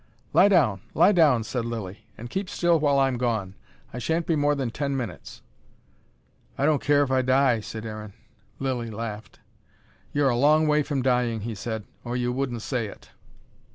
"Lie down! Lie down!" said Lilly. "And keep still while I'm gone. I shan't be more than ten minutes." "I don't care if I die," said Aaron. Lilly laughed. "You're a long way from dying," said he, "or you wouldn't say it."